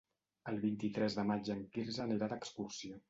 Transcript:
El vint-i-tres de maig en Quirze anirà d'excursió.